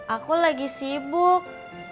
aku lagi sibuk